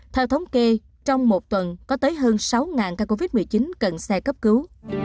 theo thống kê trong một tuần có tới hơn sáu ca covid một mươi chín cần xe cấp cứu